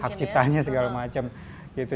hak ciptanya segala macam gitu